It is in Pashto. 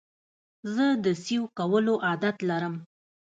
زه د سیو کولو عادت لرم.